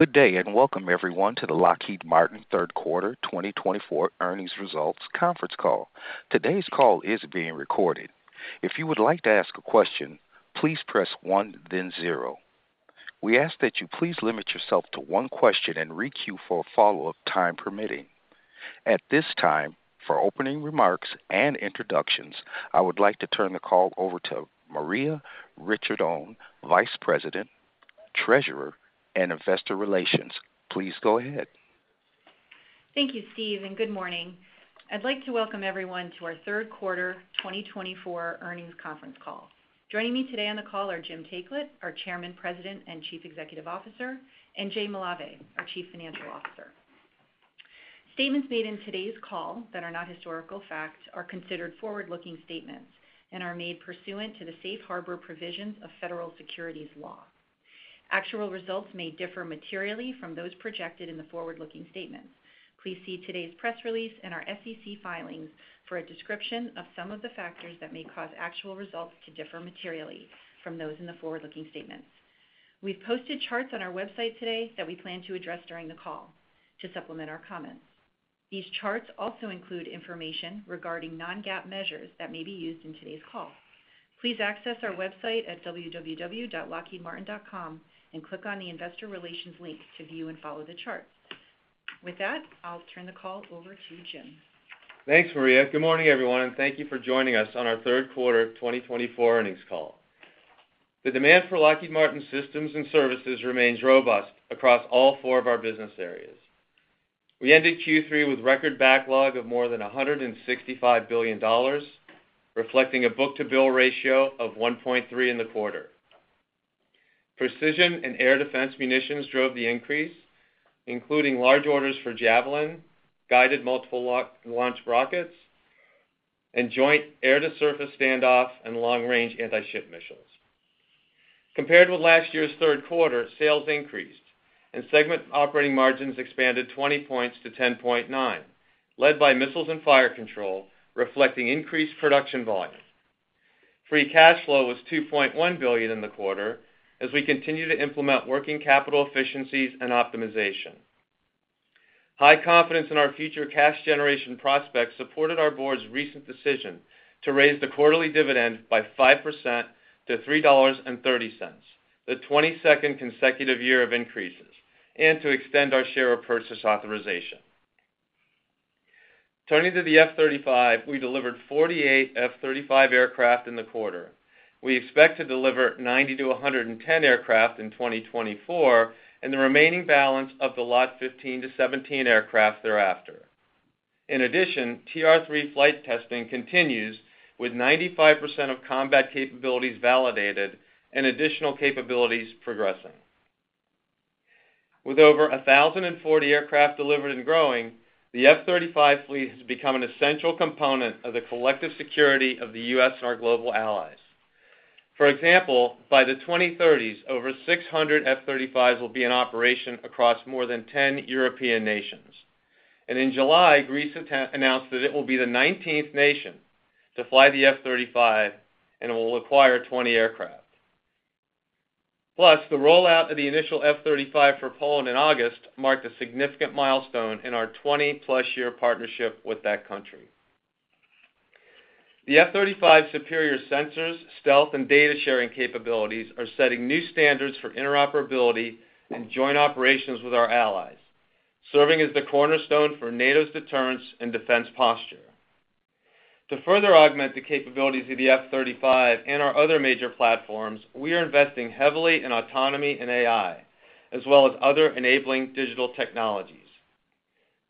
Good day, and welcome everyone to the Lockheed Martin third quarter 2024 earnings results conference call. Today's call is being recorded. If you would like to ask a question, please press one, then zero. We ask that you please limit yourself to one question and requeue for a follow-up, time permitting. At this time, for opening remarks and introductions, I would like to turn the call over to Maria Ricciardone, Vice President, Treasurer, and Investor Relations. Please go ahead. Thank you, Steve, and good morning. I'd like to welcome everyone to our third quarter 2024 earnings conference call. Joining me today on the call are Jim Taiclet, our Chairman, President, and Chief Executive Officer, and Jay Malave, our Chief Financial Officer. Statements made in today's call that are not historical facts are considered forward-looking statements and are made pursuant to the safe harbor provisions of Federal Securities law. Actual results may differ materially from those projected in the forward-looking statements. Please see today's press release and our SEC filings for a description of some of the factors that may cause actual results to differ materially from those in the forward-looking statements. We've posted charts on our website today that we plan to address during the call to supplement our comments. These charts also include information regarding non-GAAP measures that may be used in today's call. Please access our website at www.lockheedmartin.com and click on the Investor Relations link to view and follow the charts. With that, I'll turn the call over to Jim. Thanks, Maria. Good morning, everyone, and thank you for joining us on our third quarter 2024 earnings call. The demand for Lockheed Martin systems and services remains robust across all four of our business areas. We ended Q3 with record backlog of more than $165 billion, reflecting a book-to-bill ratio of 1.3 in the quarter. Precision and air defense munitions drove the increase, including large orders for Javelin, Guided Multiple Launch Rockets, and Joint Air-to-Surface Standoff, and Long-Range Anti-Ship Missiles. Compared with last year's third quarter, sales increased and segment operating margins expanded 20 points to 10.9%, led by missiles and fire control, reflecting increased production volumes. Free cash flow was $2.1 billion in the quarter as we continue to implement working capital efficiencies and optimization. High confidence in our future cash generation prospects supported our board's recent decision to raise the quarterly dividend by 5% to $3.30, the twenty-second consecutive year of increases, and to extend our share purchase authorization. Turning to the F-35, we delivered 48 F-35 aircraft in the quarter. We expect to deliver 90-110 aircraft in 2024, and the remaining balance of the Lot 15-17 aircraft thereafter. In addition, TR-3 flight testing continues with 95% of combat capabilities validated and additional capabilities progressing. With over 1,040 aircraft delivered and growing, the F-35 fleet has become an essential component of the collective security of the U.S. and our global allies. For example, by the 2030s, over 600 F-35s will be in operation across more than 10 European nations. In July, Greece announced that it will be the 19th nation to fly the F-35 and will acquire 20 aircraft. Plus, the rollout of the initial F-35 for Poland in August marked a significant milestone in our 20+ year partnership with that country. The F-35's superior sensors, stealth, and data-sharing capabilities are setting new standards for interoperability and joint operations with our allies, serving as the cornerstone for NATO's deterrence and defense posture. To further augment the capabilities of the F-35 and our other major platforms, we are investing heavily in autonomy and AI, as well as other enabling digital technologies.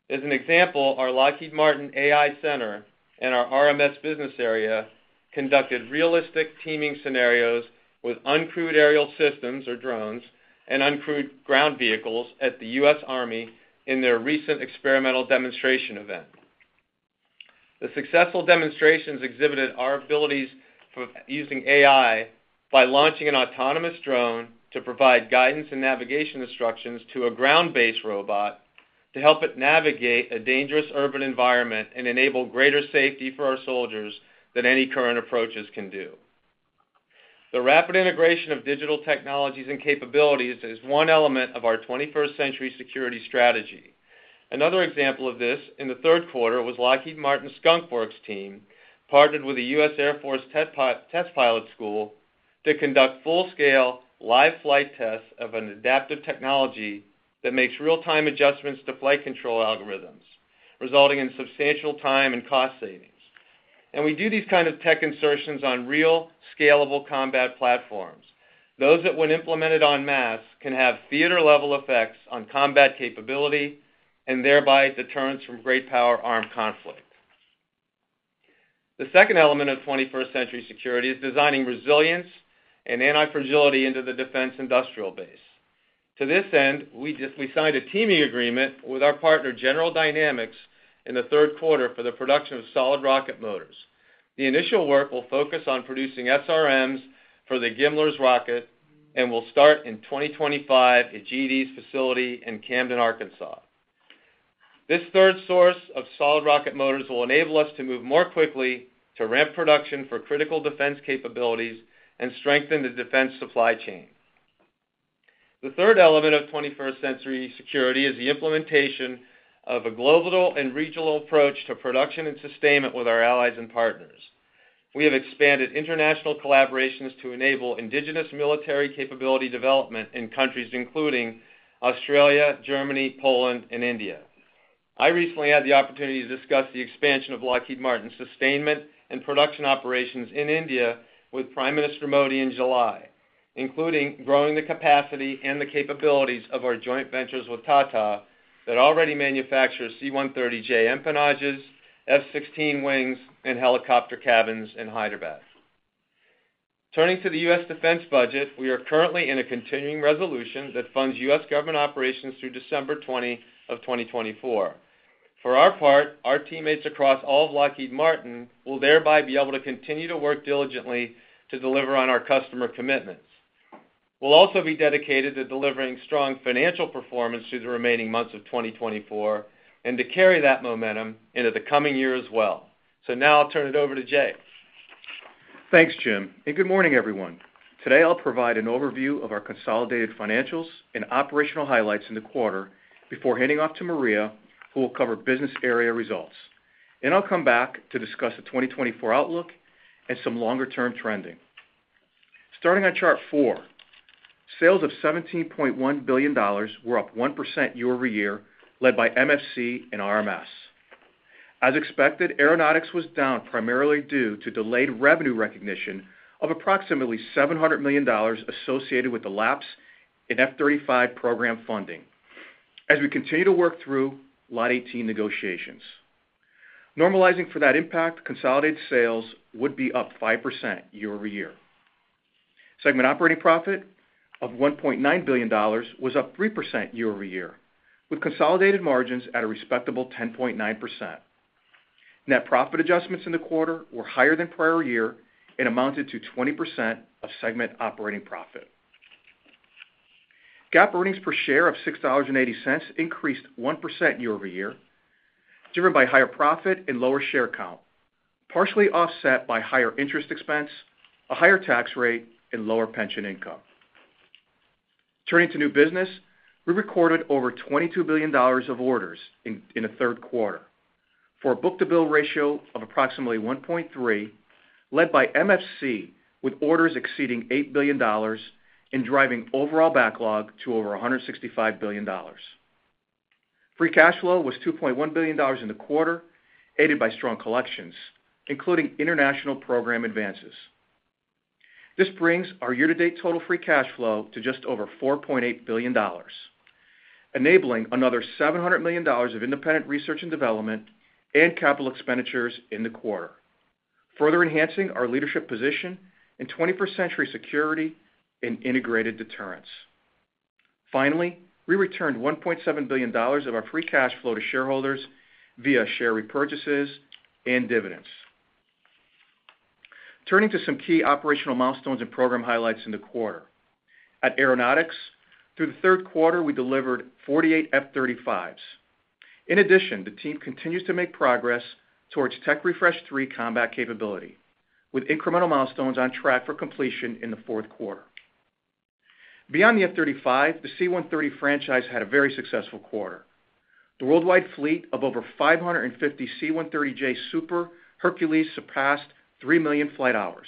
As an example, our Lockheed Martin AI Center and our RMS business area conducted realistic teaming scenarios with uncrewed aerial systems or drones and uncrewed ground vehicles at the U.S. Army in their recent experimental demonstration event. The successful demonstrations exhibited our abilities for using AI by launching an autonomous drone to provide guidance and navigation instructions to a ground-based robot to help it navigate a dangerous urban environment and enable greater safety for our soldiers than any current approaches can do. The rapid integration of digital technologies and capabilities is one element of our 21st Century Security strategy. Another example of this in the third quarter was Lockheed Martin's Skunk Works team, partnered with the U.S. Air Force Test Pilot School to conduct full-scale live flight tests of an adaptive technology that makes real-time adjustments to flight control algorithms, resulting in substantial time and cost savings. And we do these kind of tech insertions on real, scalable combat platforms, those that, when implemented en masse, can have theater-level effects on combat capability and thereby deterrence from great power armed conflict. The second element of 21st Century Security is designing resilience and antifragility into the defense industrial base. To this end, we just signed a teaming agreement with our partner, General Dynamics, in the third quarter for the production of solid rocket motors. The initial work will focus on producing SRMs for the GMLRS rocket and will start in 2025 at GD's facility in Camden, Arkansas. This third source of solid rocket motors will enable us to move more quickly to ramp production for critical defense capabilities and strengthen the defense supply chain. The third element of 21st Century Security is the implementation of a global and regional approach to production and sustainment with our allies and partners. We have expanded international collaborations to enable indigenous military capability development in countries including Australia, Germany, Poland, and India. I recently had the opportunity to discuss the expansion of Lockheed Martin's sustainment and production operations in India with Prime Minister Modi in July, including growing the capacity and the capabilities of our joint ventures with Tata that already manufacture C-130J empennages, F-16 wings, and helicopter cabins in Hyderabad. Turning to the U.S. defense budget, we are currently in a continuing resolution that funds U.S. government operations through December 20 of 2024. For our part, our teammates across all of Lockheed Martin will thereby be able to continue to work diligently to deliver on our customer commitments. We'll also be dedicated to delivering strong financial performance through the remaining months of twenty twenty-four, and to carry that momentum into the coming year as well, so now I'll turn it over to Jay. Thanks, Jim, and good morning, everyone. Today, I'll provide an overview of our consolidated financials and operational highlights in the quarter before handing off to Maria, who will cover business area results. Then I'll come back to discuss the 2024 outlook and some longer-term trending. Starting on chart four, sales of $17.1 billion were up 1% year-over-year, led by MFC and RMS. As expected, Aeronautics was down primarily due to delayed revenue recognition of approximately $700 million associated with the lapse in F-35 program funding as we continue to work through Lot 18 negotiations. Normalizing for that impact, consolidated sales would be up 5% year-over-year. Segment operating profit of $1.9 billion was up 3% year-over-year, with consolidated margins at a respectable 10.9%. Net profit adjustments in the quarter were higher than prior year and amounted to 20% of segment operating profit. GAAP earnings per share of $6.80 increased 1% year-over-year, driven by higher profit and lower share count, partially offset by higher interest expense, a higher tax rate, and lower pension income. Turning to new business, we recorded over $22 billion of orders in the third quarter for a book-to-bill ratio of approximately 1.3, led by MFC, with orders exceeding $8 billion and driving overall backlog to over $165 billion. Free cash flow was $2.1 billion in the quarter, aided by strong collections, including international program advances. This brings our year-to-date total free cash flow to just over $4.8 billion, enabling another $700 million of independent research and development and capital expenditures in the quarter, further enhancing our leadership position in 21st Century Security and integrated deterrence. Finally, we returned $1.7 billion of our free cash flow to shareholders via share repurchases and dividends. Turning to some key operational milestones and program highlights in the quarter. At Aeronautics, through the third quarter, we delivered 48 F-35s. In addition, the team continues to make progress towards Tech Refresh 3 combat capability, with incremental milestones on track for completion in the fourth quarter. Beyond the F-35, the C-130 franchise had a very successful quarter. The worldwide fleet of over 550 C-130J Super Hercules surpassed 3 million flight hours,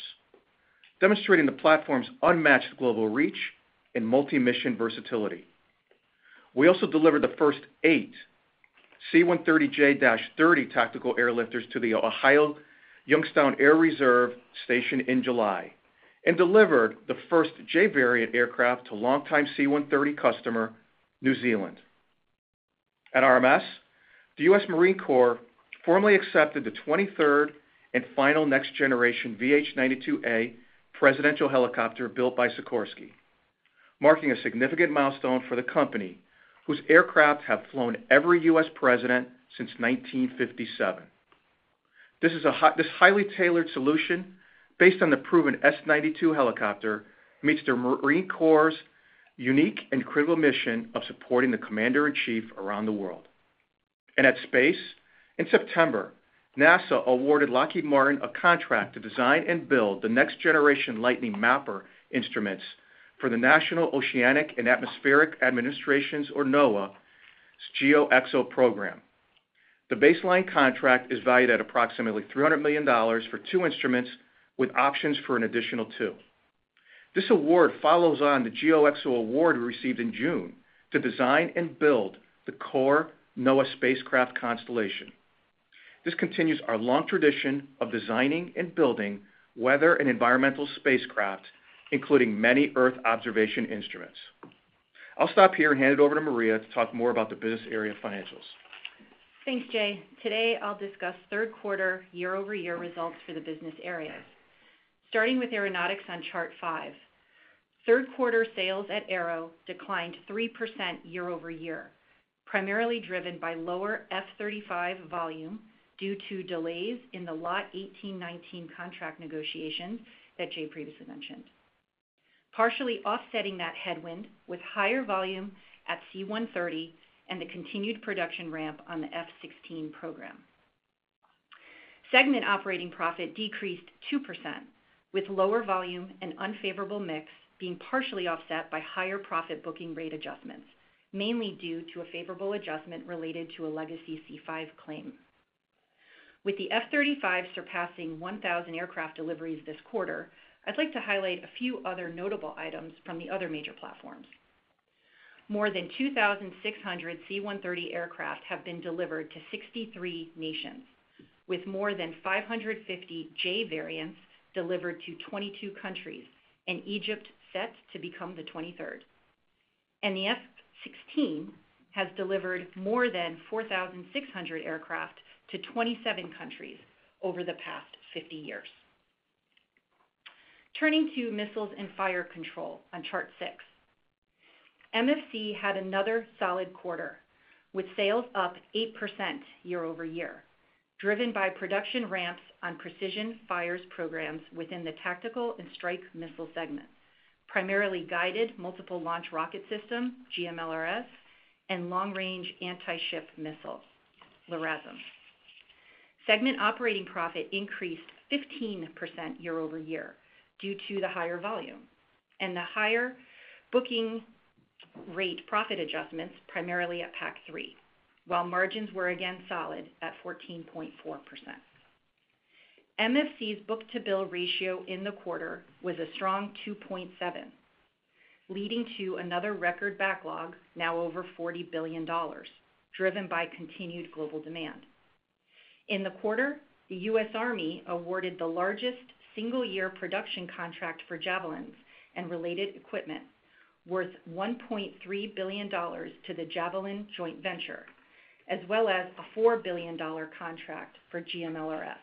demonstrating the platform's unmatched global reach and multi-mission versatility. We also delivered the first eight C-130J-30 tactical airlifters to the Youngstown Air Reserve Station in Ohio in July and delivered the first J variant aircraft to longtime C-130 customer, New Zealand. At RMS, the U.S. Marine Corps formally accepted the 23rd and final next-generation VH-92A presidential helicopter built by Sikorsky, marking a significant milestone for the company, whose aircraft have flown every U.S. president since 1957. This highly tailored solution, based on the proven S-92 helicopter, meets the Marine Corps' unique and critical mission of supporting the commander-in-chief around the world. At Space, in September, NASA awarded Lockheed Martin a contract to design and build the next-generation Lightning Mapper instruments for the National Oceanic and Atmospheric Administration's, or NOAA's, GeoXO program. The baseline contract is valued at approximately $300 million for two instruments, with options for an additional two. This award follows on the GeoXO award we received in June to design and build the core NOAA spacecraft constellation. This continues our long tradition of designing and building weather and environmental spacecraft, including many Earth observation instruments. I'll stop here and hand it over to Maria to talk more about the business area financials. Thanks, Jay. Today, I'll discuss third quarter year-over-year results for the business areas. Starting with Aeronautics on chart 5. Third quarter sales at Aero declined 3% year-over-year, primarily driven by lower F-35 volume due to delays in the Lot 18-19 contract negotiations that Jay previously mentioned. Partially offsetting that headwind with higher volume at C-130 and the continued production ramp on the F-16 program. Segment operating profit decreased 2%, with lower volume and unfavorable mix being partially offset by higher profit booking rate adjustments, mainly due to a favorable adjustment related to a legacy C-5 claim. With the F-35 surpassing 1,000 aircraft deliveries this quarter, I'd like to highlight a few other notable items from the other major platforms. More than 2,600 C-130 aircraft have been delivered to 63 nations, with more than 550 J variants delivered to 22 countries, and Egypt set to become the 23rd. And the F-16 has delivered more than 4,600 aircraft to 27 countries over the past 50 years. Turning to Missiles and Fire Control on Chart 6. MFC had another solid quarter, with sales up 8% year-over-year, driven by production ramps on precision fires programs within the tactical and strike missile segments, primarily Guided Multiple Launch Rocket System, GMLRS, and Long Range Anti-Ship Missile, LRASM. Segment operating profit increased 15% year-over-year due to the higher volume and the higher booking rate profit adjustments, primarily at PAC-3, while margins were again solid at 14.4%. MFC's book-to-bill ratio in the quarter was a strong 2.7, leading to another record backlog, now over $40 billion, driven by continued global demand. In the quarter, the U.S. Army awarded the largest single-year production contract for Javelins and related equipment, worth $1.3 billion to the Javelin Joint Venture, as well as a $4 billion dollar contract for GMLRS.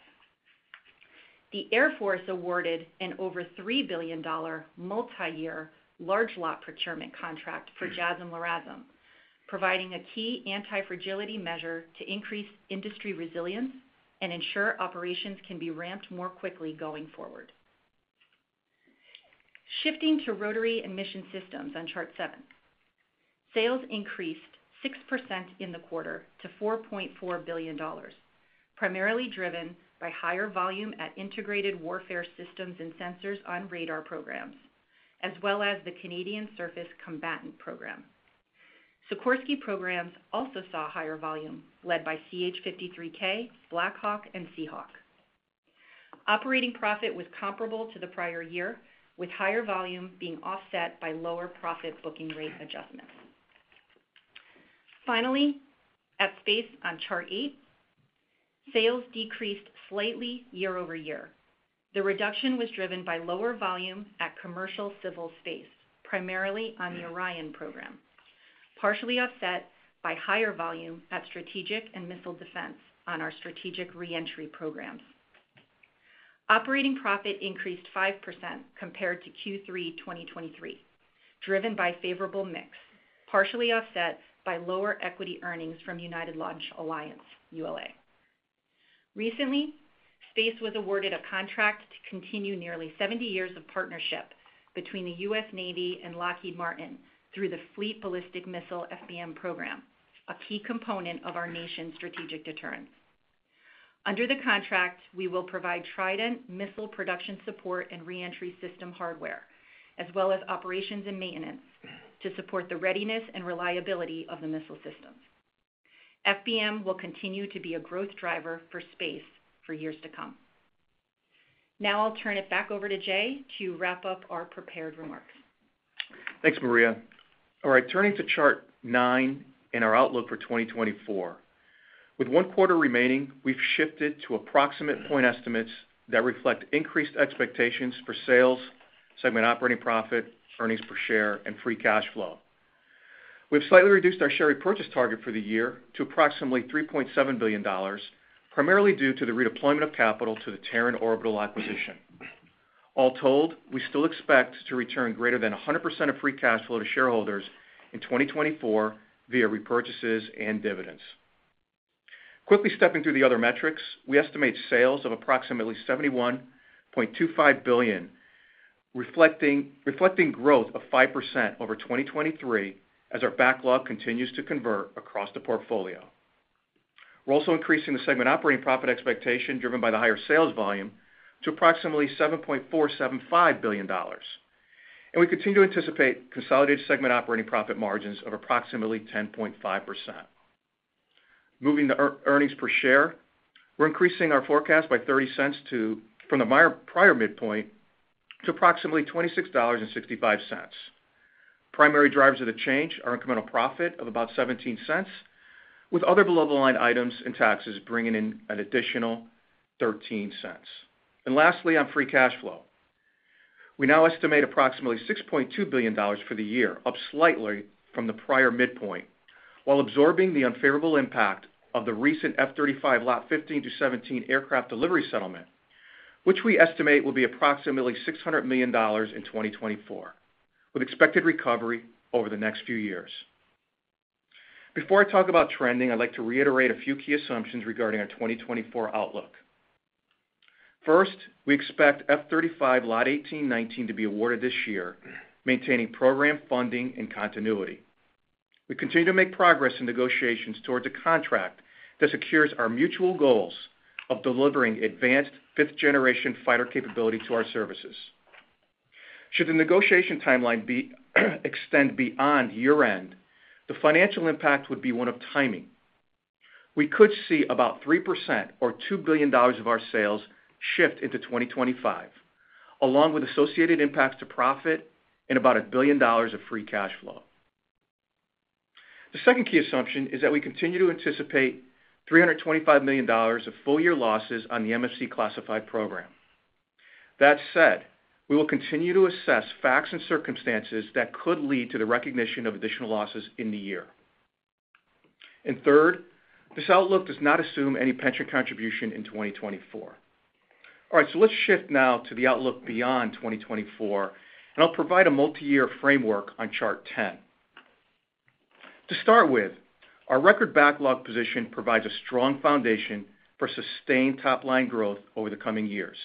The U.S. Air Force awarded an over $3 billion multi-year large lot procurement contract for JASSM, LRASM, providing a key antifragility measure to increase industry resilience and ensure operations can be ramped more quickly going forward. Shifting to Rotary and Mission Systems on Chart 7. Sales increased 6% in the quarter to $4.4 billion, primarily driven by higher volume at integrated warfare systems and sensors on radar programs, as well as the Canadian Surface Combatant program. Sikorsky programs also saw higher volume, led by CH-53K, BLACK HAWK, and SEAHAWK. Operating profit was comparable to the prior year, with higher volume being offset by lower profit booking rate adjustments. Finally, at Space, on Chart 8, sales decreased slightly year-over-year. The reduction was driven by lower volume at commercial civil space, primarily on the Orion program, partially offset by higher volume at Strategic and Missile Defense on our strategic reentry programs. Operating profit increased 5% compared to Q3 2023, driven by favorable mix, partially offset by lower equity earnings from United Launch Alliance, ULA. Recently, Space was awarded a contract to continue nearly seventy years of partnership between the U.S. Navy and Lockheed Martin through the Fleet Ballistic Missile, FBM, program, a key component of our nation's strategic deterrence. Under the contract, we will provide Trident missile production support and reentry system hardware, as well as operations and maintenance to support the readiness and reliability of the missile systems. FBM will continue to be a growth driver for space for years to come. Now I'll turn it back over to Jay to wrap up our prepared remarks. Thanks, Maria. All right, turning to Chart 9 and our outlook for 2024. With one quarter remaining, we've shifted to approximate point estimates that reflect increased expectations for sales, segment operating profit, earnings per share, and free cash flow. We've slightly reduced our share repurchase target for the year to approximately $3.7 billion, primarily due to the redeployment of capital to the Terran Orbital acquisition. All told, we still expect to return greater than 100% of free cash flow to shareholders in 2024 via repurchases and dividends. Quickly stepping through the other metrics, we estimate sales of approximately $71.25 billion, reflecting growth of 5% over 2023 as our backlog continues to convert across the portfolio. We're also increasing the segment operating profit expectation, driven by the higher sales volume, to approximately $7.475 billion. We continue to anticipate consolidated segment operating profit margins of approximately 10.5%. Moving to earnings per share, we're increasing our forecast by $0.30 from the prior midpoint to approximately $26.65. Primary drivers of the change are incremental profit of about $0.17, with other below-the-line items and taxes bringing in an additional $0.13. Lastly, on free cash flow, we now estimate approximately $6.2 billion for the year, up slightly from the prior midpoint, while absorbing the unfavorable impact of the recent F-35 Lot 15-17 aircraft delivery settlement, which we estimate will be approximately $600 million in 2024, with expected recovery over the next few years. Before I talk about trending, I'd like to reiterate a few key assumptions regarding our 2024 outlook. First, we expect F-35 Lot 18-19 to be awarded this year, maintaining program funding and continuity. We continue to make progress in negotiations towards a contract that secures our mutual goals of delivering advanced fifth-generation fighter capability to our services. Should the negotiation timeline be extended beyond year-end, the financial impact would be one of timing. We could see about 3% or $2 billion of our sales shift into 2025, along with associated impacts to profit and about $1 billion of free cash flow. The second key assumption is that we continue to anticipate $325 million of full-year losses on the MFC-classified program. That said, we will continue to assess facts and circumstances that could lead to the recognition of additional losses in the year. Third, this outlook does not assume any pension contribution in 2024. All right, so let's shift now to the outlook beyond 2024, and I'll provide a multi-year framework on chart 10. To start with, our record backlog position provides a strong foundation for sustained top-line growth over the coming years.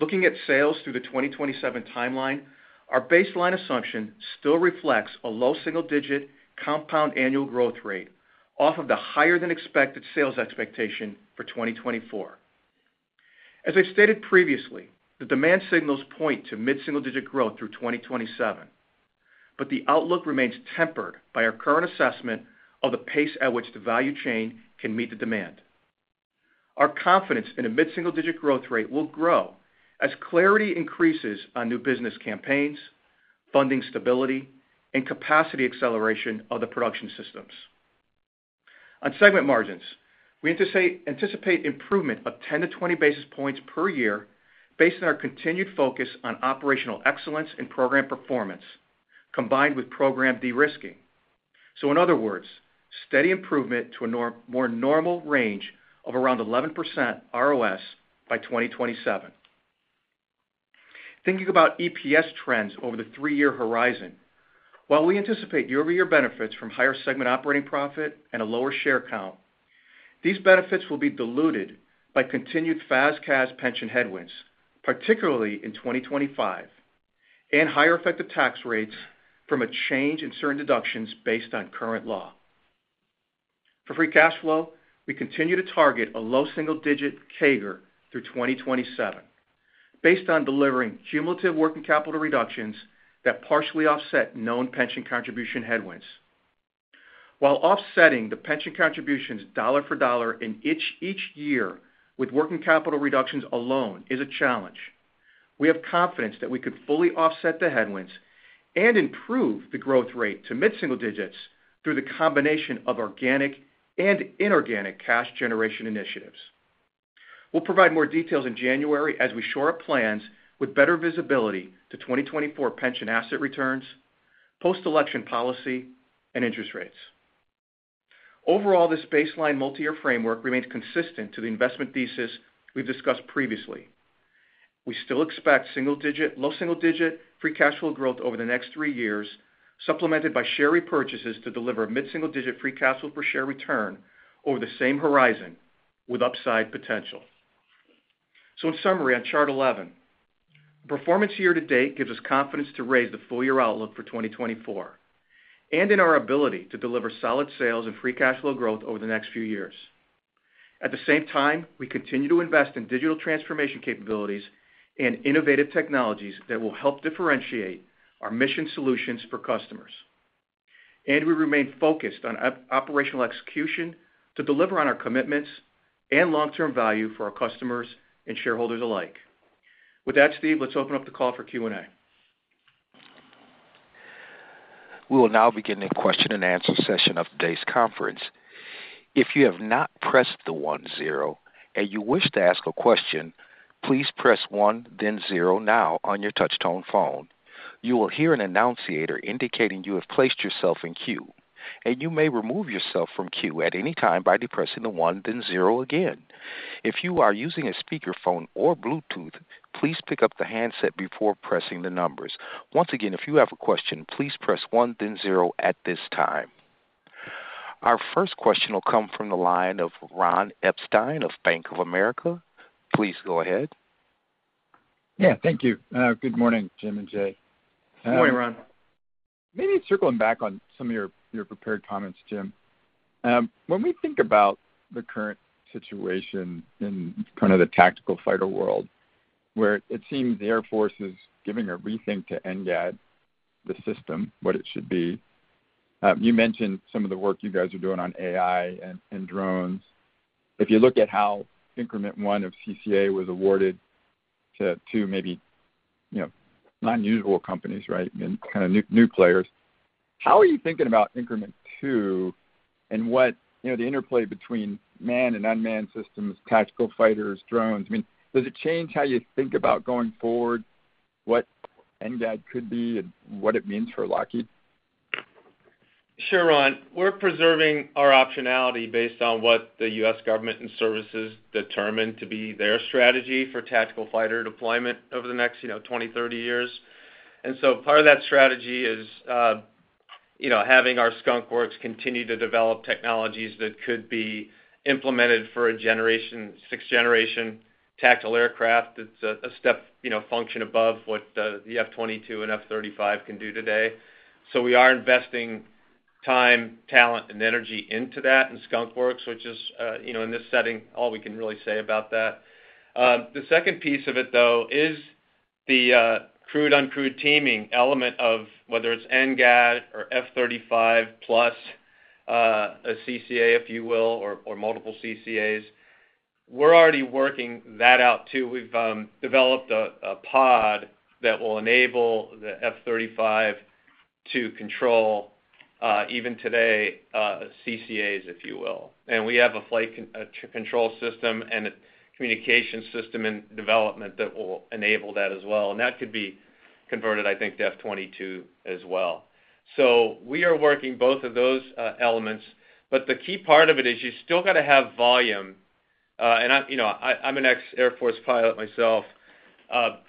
Looking at sales through the twenty twenty-seven timeline, our baseline assumption still reflects a low single-digit compound annual growth rate off of the higher-than-expected sales expectation for 2024. As I stated previously, the demand signals point to mid-single-digit growth through 2027, but the outlook remains tempered by our current assessment of the pace at which the value chain can meet the demand. Our confidence in a mid-single-digit growth rate will grow as clarity increases on new business campaigns, funding stability, and capacity acceleration of the production systems. On segment margins, we anticipate improvement of 10-20 basis points per year based on our continued focus on operational excellence and program performance, combined with program de-risking. So in other words, steady improvement to a more normal range of around 11% ROS by 2027. Thinking about EPS trends over the three-year horizon, while we anticipate year-over-year benefits from higher segment operating profit and a lower share count, these benefits will be diluted by continued FAS/CAS pension headwinds, particularly in 2025, and higher effective tax rates from a change in certain deductions based on current law. For free cash flow, we continue to target a low single-digit CAGR through 2027, based on delivering cumulative working capital reductions that partially offset known pension contribution headwinds. While offsetting the pension contributions dollar for dollar in each year with working capital reductions alone is a challenge, we have confidence that we could fully offset the headwinds and improve the growth rate to mid-single digits through the combination of organic and inorganic cash generation initiatives. We'll provide more details in January as we shore up plans with better visibility to 2024 pension asset returns, post-election policy, and interest rates. Overall, this baseline multi-year framework remains consistent to the investment thesis we've discussed previously. We still expect low single-digit free cash flow growth over the next three years, supplemented by share repurchases to deliver a mid-single-digit free cash flow per share return over the same horizon with upside potential. So in summary, on chart eleven, performance year to date gives us confidence to raise the full-year outlook for 2024, and in our ability to deliver solid sales and free cash flow growth over the next few years. At the same time, we continue to invest in digital transformation capabilities and innovative technologies that will help differentiate our mission solutions for customers. And we remain focused on operational execution to deliver on our commitments and long-term value for our customers and shareholders alike. With that, Steve, let's open up the call for Q&A. We will now begin the Q&A session of today's conference. If you have not pressed the one-zero, and you wish to ask a question, please press one, then zero, now on your touch-tone phone. You will hear an annunciator indicating you have placed yourself in queue, and you may remove yourself from queue at any time by depressing the one, then zero again. If you are using a speakerphone or Bluetooth, please pick up the handset before pressing the numbers. Once again, if you have a question, please press one, then zero at this time. Our first question will come from the line of Ron Epstein of Bank of America. Please go ahead. Yeah, thank you. Good morning, Jim and Jay. Good morning, Ron. Maybe circling back on some of your prepared comments, Jim. When we think about the current situation in kind of the tactical fighter world, where it seems the Air Force is giving a rethink to NGAD, the system, what it should be, you mentioned some of the work you guys are doing on AI and drones. If you look at how Increment One of CCA was awarded to maybe, you know, non-usual companies, right? And kind of new players. How are you thinking about Increment Two and what, you know, the interplay between manned and unmanned systems, tactical fighters, drones? I mean, does it change how you think about going forward, what NGAD could be and what it means for Lockheed? Sure, Ron. We're preserving our optionality based on what the U.S. government and services determine to be their strategy for tactical fighter deployment over the next, you know, 20-30 years. And so part of that strategy is, you know, having our Skunk Works continue to develop technologies that could be implemented for a sixth-generation tactical aircraft. It's a step, you know, function above what the F-22 and F-35 can do today. So we are investing time, talent, and energy into that in Skunk Works, which is, you know, in this setting, all we can really say about that. The second piece of it, though, is the crewed/uncrewed teaming element of whether it's NGAD or F-35 plus a CCA, if you will, or multiple CCAs. We're already working that out, too. We've developed a pod that will enable the F-35 to control even today CCAs, if you will. And we have a flight control system and a communication system in development that will enable that as well, and that could be converted, I think, to F-22 as well. So we are working both of those elements, but the key part of it is you still gotta have volume. And I, you know, I'm an ex-Air Force pilot myself.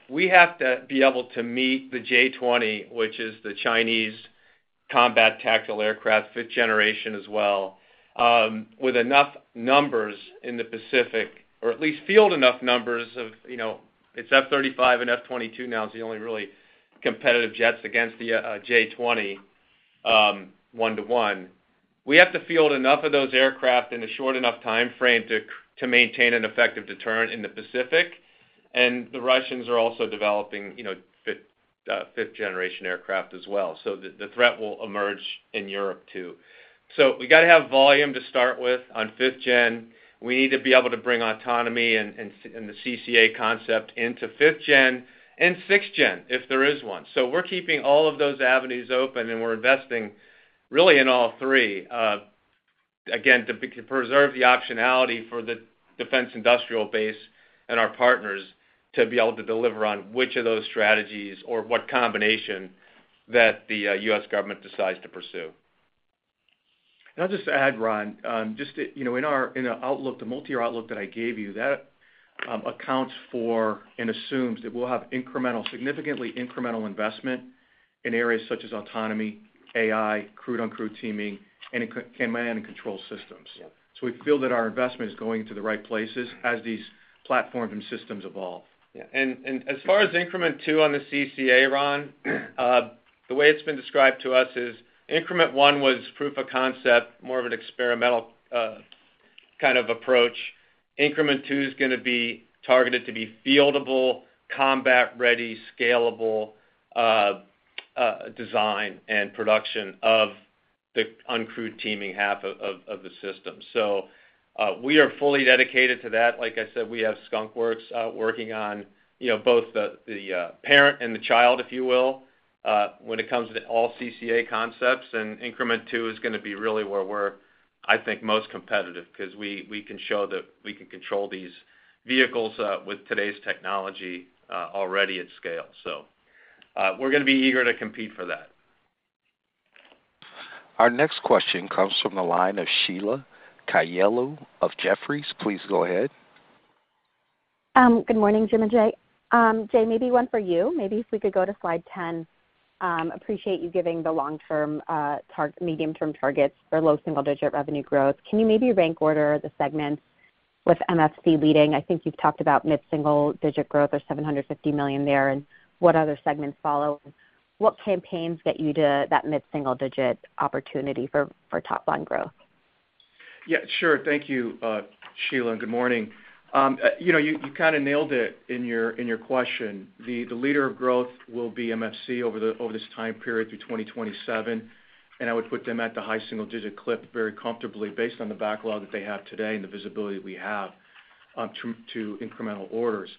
We have to be able to meet the J-20, which is the Chinese combat tactical aircraft, fifth generation as well, with enough numbers in the Pacific, or at least field enough numbers of, you know, it's F-35 and F-22 now is the only really competitive jets against the J-20, one-to-one. We have to field enough of those aircraft in a short enough timeframe to maintain an effective deterrent in the Pacific, and the Russians are also developing, you know, fifth generation aircraft as well. So the threat will emerge in Europe, too. So we gotta have volume to start with on fifth gen. We need to be able to bring autonomy and the CCA concept into fifth gen and sixth gen, if there is one. So we're keeping all of those avenues open, and we're investing really in all three, again, to preserve the optionality for the defense industrial base and our partners to be able to deliver on which of those strategies or what combination that the U.S. government decides to pursue. I'll just add, Ron, just to, you know, in our outlook, the multi-year outlook that I gave you, that accounts for and assumes that we'll have significantly incremental investment in areas such as autonomy, AI, crewed/uncrewed teaming, and in command and control systems. Yep. We feel that our investment is going to the right places as these platforms and systems evolve. Yeah, and as far as Increment 2 on the CCA, Ron, the way it's been described to us is Increment 1 was proof of concept, more of an experimental, kind of approach. Increment 2 is gonna be targeted to be fieldable, combat-ready, scalable, design and production of the uncrewed teaming half of the system. So, we are fully dedicated to that. Like I said, we have Skunk Works, working on, you know, both the parent and the child, if you will, when it comes to all CCA concepts. And Increment 2 is gonna be really where we're, I think, most competitive because we can show that we can control these vehicles, with today's technology, already at scale. So, we're gonna be eager to compete for that. Our next question comes from the line of Sheila Kahyaoglu of Jefferies. Please go ahead. Good morning, Jim and Jay. Jay, maybe one for you. Maybe if we could go to slide 10. Appreciate you giving the long-term target medium-term targets for low single-digit revenue growth. Can you maybe rank order the segments with MFC leading? I think you've talked about mid-single-digit growth or $750 million there, and what other segments follow? What campaigns get you to that mid-single-digit opportunity for top line growth? Yeah, sure. Thank you, Sheila, and good morning. You know, you kind of nailed it in your question. The leader of growth will be MFC over this time period through 2027, and I would put them at the high single digit clip very comfortably based on the backlog that they have today and the visibility that we have to incremental orders.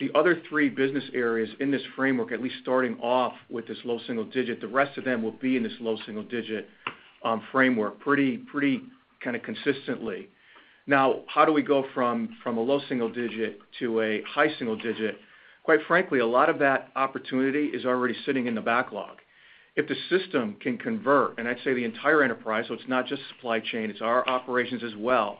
The other three business areas in this framework, at least starting off with this low single digit, the rest of them will be in this low single digit framework, pretty kind of consistently. Now, how do we go from a low single digit to a high single digit? Quite frankly, a lot of that opportunity is already sitting in the backlog. If the system can convert, and I'd say the entire enterprise, so it's not just supply chain, it's our operations as well,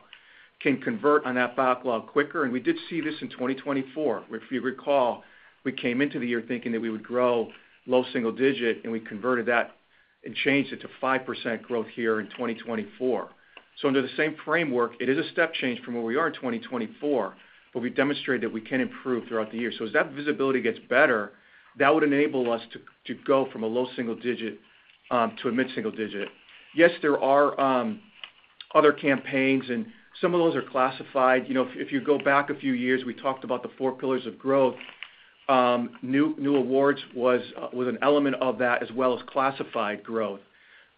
can convert on that backlog quicker, and we did see this in 2024. If you recall, we came into the year thinking that we would grow low single-digit, and we converted that and changed it to 5% growth here in 2024. So under the same framework, it is a step change from where we are in 2024, but we've demonstrated that we can improve throughout the year. So as that visibility gets better, that would enable us to go from a low single-digit to a mid-single-digit. Yes, there are other campaigns, and some of those are classified. You know, if, if you go back a few years, we talked about the four pillars of growth. New awards was an element of that, as well as classified growth.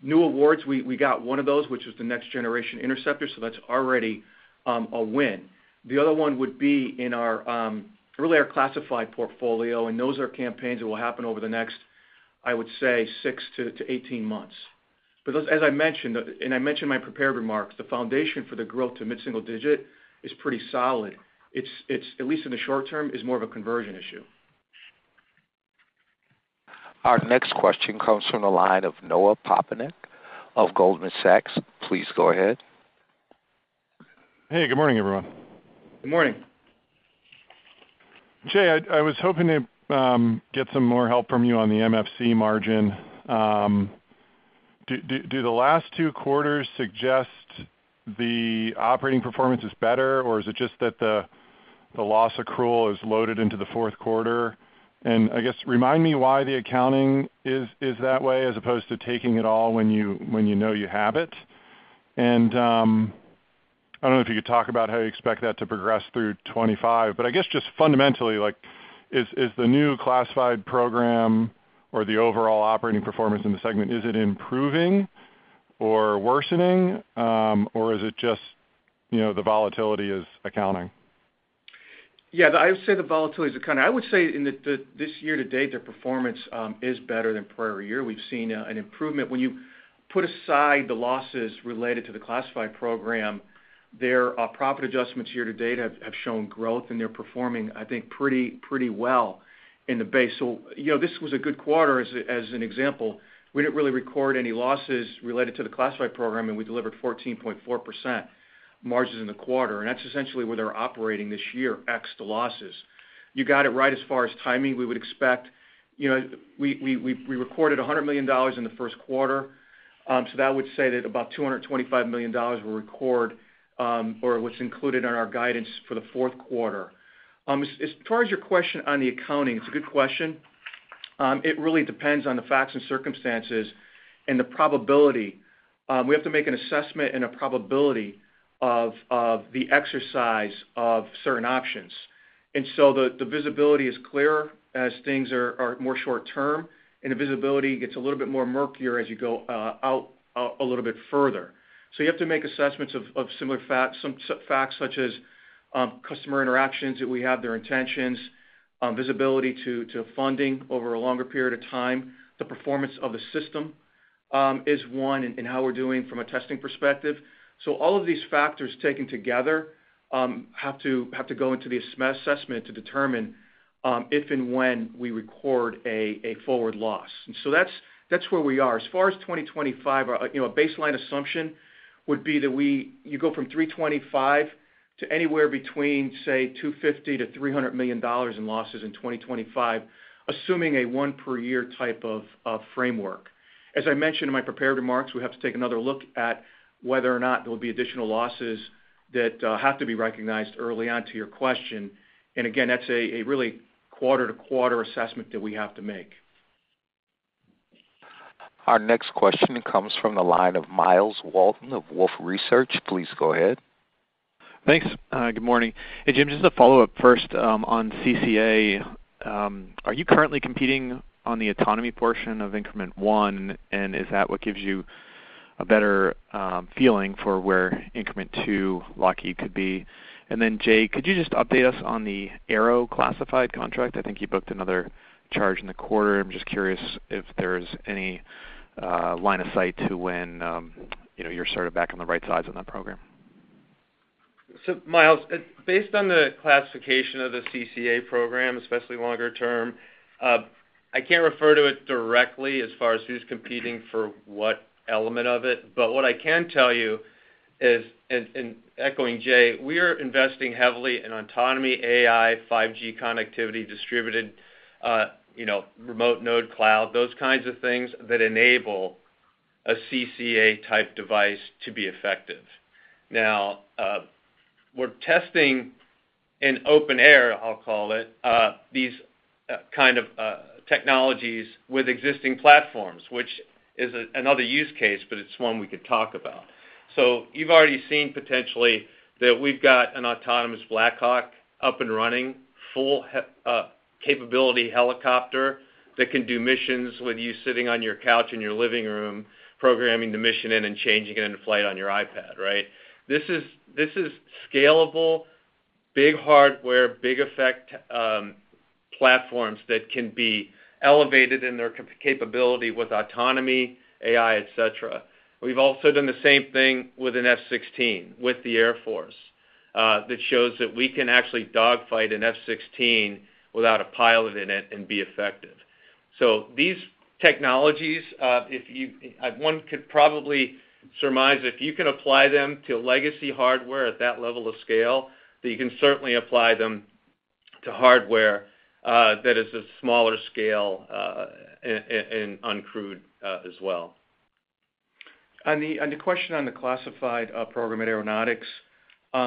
New awards, we got one of those, which was the Next Generation Interceptor, so that's already a win. The other one would be in our classified portfolio, and those are campaigns that will happen over the next, I would say, 6-18 months. But as I mentioned, and I mentioned in my prepared remarks, the foundation for the growth to mid-single-digit is pretty solid. It's at least in the short term more of a conversion issue. Our next question comes from the line of Noah Poponak of Goldman Sachs. Please go ahead. Hey, good morning, everyone. Good morning. Jay, I was hoping to get some more help from you on the MFC margin. Do the last two quarters suggest the operating performance is better, or is it just that the loss accrual is loaded into the fourth quarter? And I guess remind me why the accounting is that way, as opposed to taking it all when you know you have it. And I don't know if you could talk about how you expect that to progress through 2, but I guess just fundamentally, like, is the new classified program or the overall operating performance in the segment improving or worsening? Or is it just, you know, the volatility is accounting? Yeah, I would say the volatility is accounting. I would say in the this year to date, the performance is better than prior year. We've seen an improvement. When you put aside the losses related to the classified program, their profit adjustments year to date have shown growth, and they're performing, I think, pretty well in the base. So you know, this was a good quarter as an example. We didn't really record any losses related to the classified program, and we delivered 14.4% margins in the quarter, and that's essentially where they're operating this year, ex the losses. You got it right as far as timing. We would expect, you know, we recorded $100 million in the first quarter. So that would say that about $225 million will record, or what's included in our guidance for the fourth quarter. As far as your question on the accounting, it's a good question. It really depends on the facts and circumstances and the probability. We have to make an assessment and a probability of the exercise of certain options. And so the visibility is clearer as things are more short term, and the visibility gets a little bit more murkier as you go out a little bit further. So you have to make assessments of similar facts, some facts such as customer interactions that we have, their intentions, visibility to funding over a longer period of time. The performance of the system is one, and how we're doing from a testing perspective, so all of these factors taken together have to go into the assessment to determine if and when we record a forward loss, so that's where we are. As far as 2025, our, you know, our baseline assumption would be that we go from $325 million to anywhere between, say, $250 million to $300 million in losses in 2025, assuming a one per year type of framework. As I mentioned in my prepared remarks, we have to take another look at whether or not there will be additional losses that have to be recognized early on to your question. Again, that's a really quarter-to-quarter assessment that we have to make. Our next question comes from the line of Myles Walton of Wolfe Research. Please go ahead. Thanks. Good morning. Hey, Jim, just a follow-up first on CCA. Are you currently competing on the autonomy portion of Increment 1, and is that what gives you a better feeling for where Increment 2 Lockheed could be? And then, Jay, could you just update us on the Aero classified contract? I think you booked another charge in the quarter. I'm just curious if there's any line of sight to when, you know, you're sort of back on the right sides of that program. So Myles, based on the classification of the CCA program, especially longer term, I can't refer to it directly as far as who's competing for what element of it. But what I can tell you is, and echoing Jay, we are investing heavily in autonomy, AI, 5G connectivity, distributed, you know, remote node cloud, those kinds of things that enable a CCA-type device to be effective. Now, we're testing in open air, I'll call it, these kind of technologies with existing platforms, which is another use case, but it's one we could talk about. So you've already seen potentially that we've got an autonomous BLACK HAWK up and running, full capability helicopter that can do missions with you sitting on your couch in your living room, programming the mission in and changing it in flight on your iPad, right? This is scalable, big hardware, big effect, platforms that can be elevated in their capability with autonomy, AI, et cetera. We've also done the same thing with an F-16, with the Air Force, that shows that we can actually dogfight an F-16 without a pilot in it and be effective. So these technologies, one could probably surmise, if you can apply them to legacy hardware at that level of scale, that you can certainly apply them to hardware that is a smaller scale, and uncrewed, as well. On the question on the classified program at Aeronautics,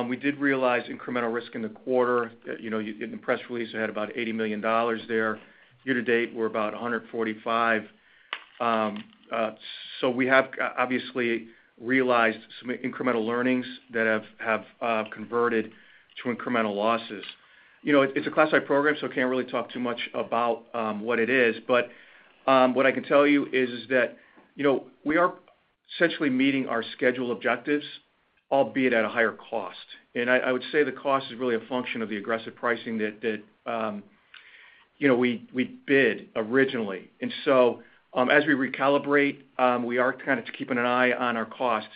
we did realize incremental risk in the quarter. You know, in the press release, it had about $80 million there. Year to date, we're about $145 million. So we have obviously realized some incremental learnings that have converted to incremental losses. You know, it's a classified program, so I can't really talk too much about what it is. But what I can tell you is that, you know, we are essentially meeting our schedule objectives, albeit at a higher cost. And I would say the cost is really a function of the aggressive pricing that you know, we bid originally. And so, as we recalibrate, we are kind of keeping an eye on our cost.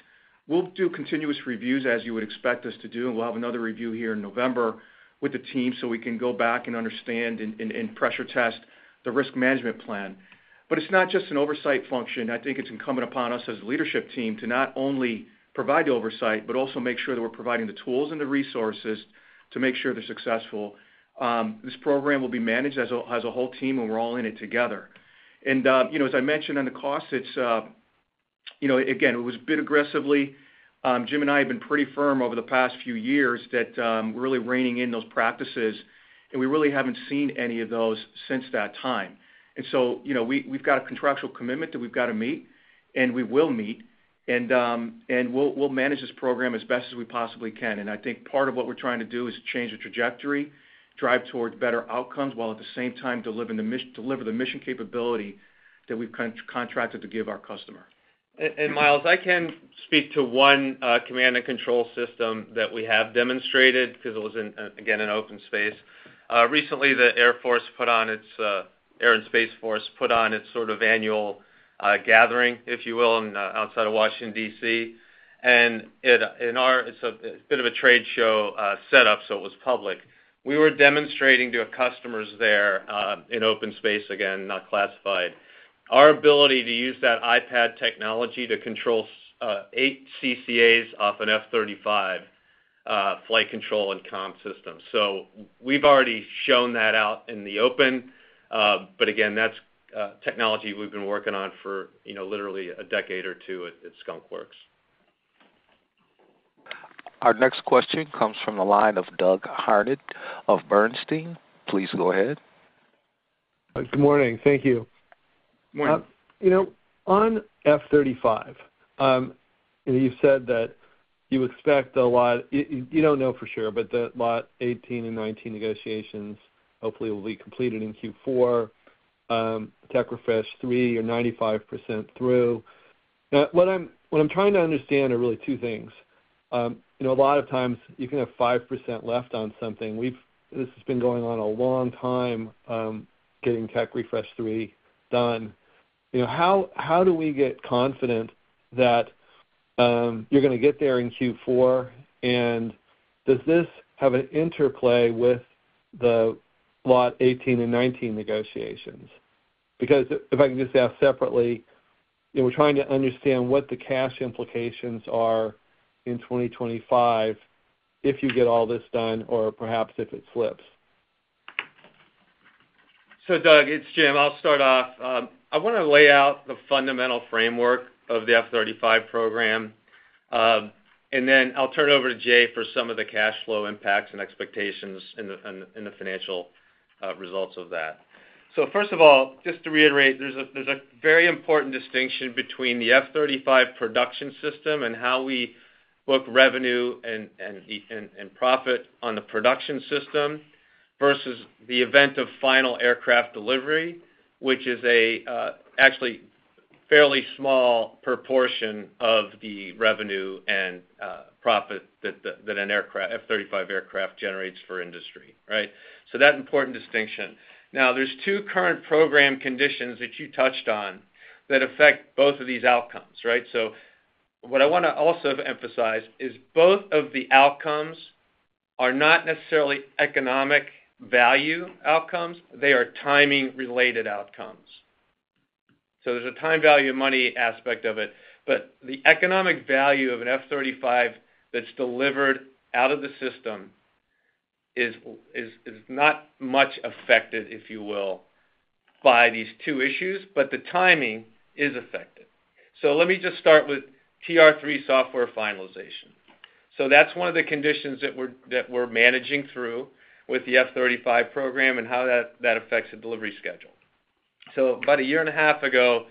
We'll do continuous reviews, as you would expect us to do, and we'll have another review here in November with the team, so we can go back and understand and pressure test the risk management plan. But it's not just an oversight function. I think it's incumbent upon us as a leadership team to not only provide the oversight, but also make sure that we're providing the tools and the resources to make sure they're successful. This program will be managed as a whole team, and we're all in it together. You know, as I mentioned on the costs, it's you know, again, it was bid aggressively. Jim and I have been pretty firm over the past few years that we're really reining in those practices, and we really haven't seen any of those since that time. And so, you know, we've got a contractual commitment that we've got to meet, and we will meet, and we'll manage this program as best as we possibly can. And I think part of what we're trying to do is change the trajectory, drive towards better outcomes, while at the same time, deliver the mission capability that we've contracted to give our customer. Myles, I can speak to one command and control system that we have demonstrated because it was in, again, an open space. Recently, the Air and Space Force put on its sort of annual gathering, if you will, outside of Washington, DC. And it. It's a bit of a trade show setup, so it was public. We were demonstrating to customers there, in open space, again, not classified, our ability to use that iPad technology to control eight CCAs off an F-35 flight control and comm system. So we've already shown that out in the open, but again, that's technology we've been working on for, you know, literally a decade or two at Skunk Works. Our next question comes from the line of Doug Harned of Bernstein. Please go ahead. Good morning. Thank you. Good morning. You know, on F-35, you've said that you expect a lot. You don't know for sure, but that Lot 18 and 19 negotiations hopefully will be completed in Q4. Tech Refresh 3 you're 95% through. Now, what I'm trying to understand are really two things. You know, a lot of times you can have 5% left on something. We've, this has been going on a long time, getting Tech Refresh 3 done. You know, how do we get confident that you're gonna get there in Q4? And does this have an interplay with the Lot 18 and 19 negotiations? Because if I can just ask separately, you know, we're trying to understand what the cash implications are in 2025 if you get all this done or perhaps if it slips. So, Doug, it's Jim. I'll start off. I wanna lay out the fundamental framework of the F-35 program, and then I'll turn it over to Jay for some of the cash flow impacts and expectations in the financial results of that. So first of all, just to reiterate, there's a very important distinction between the F-35 production system and how we book revenue and profit on the production system versus the event of final aircraft delivery, which is actually fairly small proportion of the revenue and profit that an aircraft, F-35 aircraft generates for industry, right? So that important distinction. Now, there's two current program conditions that you touched on that affect both of these outcomes, right? So what I wanna also emphasize is both of the outcomes are not necessarily economic value outcomes, they are timing-related outcomes. So there's a time value of money aspect of it. But the economic value of an F-35 that's delivered out of the system is not much affected, if you will, by these two issues, but the timing is affected. So let me just start with TR-3 software finalization. So that's one of the conditions that we're managing through with the F-35 program and how that affects the delivery schedule. So about a year and a half ago,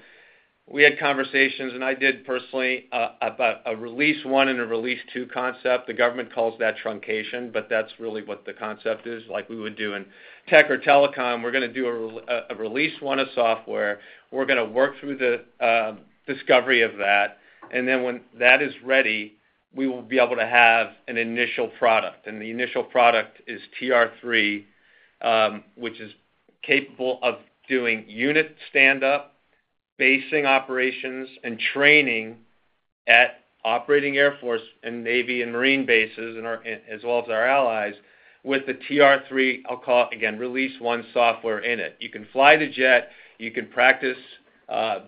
we had conversations, and I did personally about a Release 1 and a Release 2 concept. The government calls that truncation, but that's really what the concept is, like we would do in tech or telecom. We're gonna do a Release 1 of software. We're gonna work through the discovery of that, and then when that is ready, we will be able to have an initial product. The initial product is TR-3, which is capable of doing unit stand-up, basing operations, and training at operating Air Force and Navy and Marine bases, as well as our allies, with the TR-3, I'll call it again, Release 1 software in it. You can fly the jet, you can practice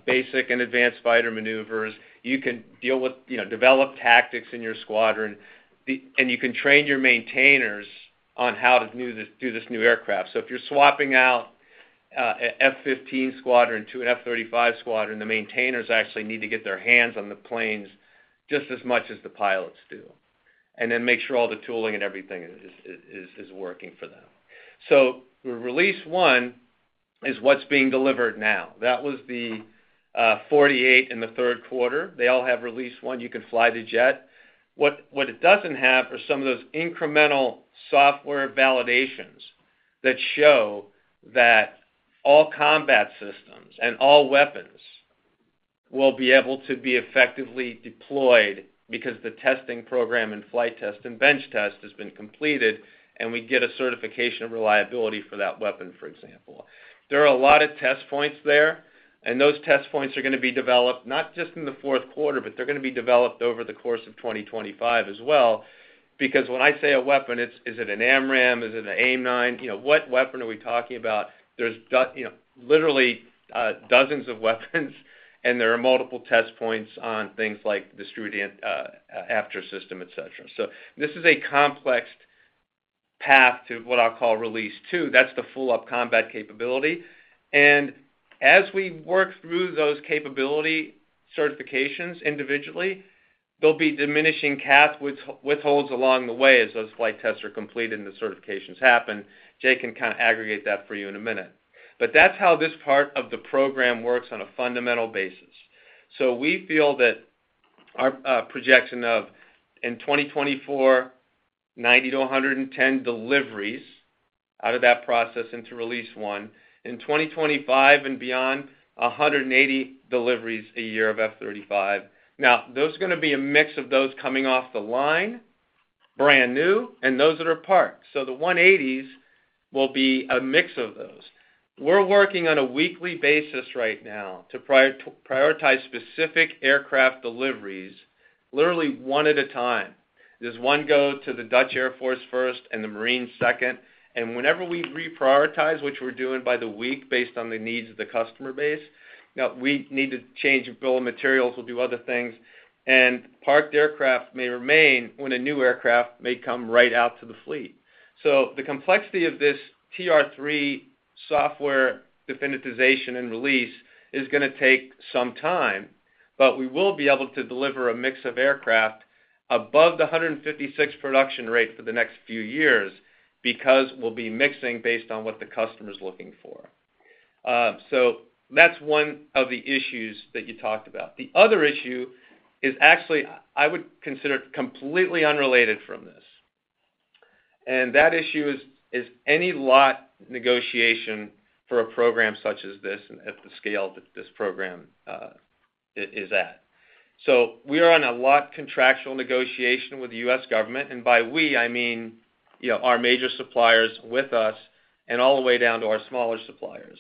basic and advanced fighter maneuvers, you can deal with, you know, develop tactics in your squadron. You can train your maintainers on how to do this new aircraft. So if you're swapping out a F-15 squadron to an F-35 squadron, the maintainers actually need to get their hands on the planes just as much as the pilots do, and then make sure all the tooling and everything is working for them. The Release 1 is what's being delivered now. That was the 48 in the third quarter. They all have Release 1. You can fly the jet. What it doesn't have are some of those incremental software validations that show that all combat systems and all weapons will be able to be effectively deployed because the testing program and flight test and bench test has been completed, and we get a certification of reliability for that weapon, for example. There are a lot of test points there. And those test points are going to be developed not just in the fourth quarter, but they're going to be developed over the course of 2025 as well. Because when I say a weapon, it's, is it an AMRAAM? Is it an AIM-9? You know, what weapon are we talking about? There's, you know, literally, dozens of weapons, and there are multiple test points on things like Distributed Aperture System, et cetera. So this is a complex path to what I'll call Release 2. That's the full-up combat capability. And as we work through those capability certifications individually, there'll be diminishing CAS withholds along the way as those flight tests are completed, and the certifications happen. Jay can kind of aggregate that for you in a minute. But that's how this part of the program works on a fundamental basis. So we feel that our projection of, in 2024, 90-110 deliveries out of that process into Release 1. In 2025 and beyond, 180 deliveries a year of F-35. Now, those are gonna be a mix of those coming off the line, brand new, and those that are parked. So the 180s will be a mix of those. We're working on a weekly basis right now to prioritize specific aircraft deliveries, literally one at a time. Does one go to the Dutch Air Force first and the Marines second? And whenever we reprioritize, which we're doing by the week based on the needs of the customer base, now we need to change a bill of materials. We'll do other things, and parked aircraft may remain when a new aircraft may come right out to the fleet. So the complexity of this TR-3 software definitization and release is gonna take some time, but we will be able to deliver a mix of aircraft above the 156 production rate for the next few years because we'll be mixing based on what the customer's looking for. So that's one of the issues that you talked about. The other issue is actually, I would consider it completely unrelated from this. And that issue is any lot negotiation for a program such as this, and at the scale that this program is at. So we are on a lot contractual negotiation with the U.S. government, and by we, I mean, you know, our major suppliers with us, and all the way down to our smaller suppliers.